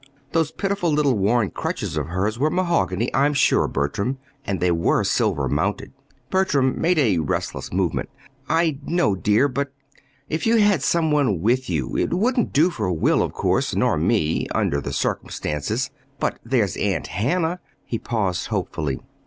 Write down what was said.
Those pitiful little worn crutches of hers were mahogany, I'm sure, Bertram, and they were silver mounted." Bertram made a restless movement. "I know, dear; but if you had some one with you! It wouldn't do for Will, of course, nor me under the circumstances. But there's Aunt Hannah " He paused hopefully.